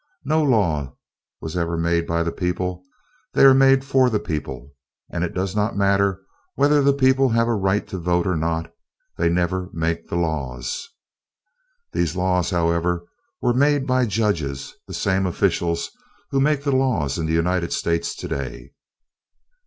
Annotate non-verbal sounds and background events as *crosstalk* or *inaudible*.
No law was ever made by the people; they are made for the people; *applause* and it does not matter whether the people have a right to vote or not, they never make the laws. *applause* These laws, however, were made by judges, the same officials who make the laws in the United States today.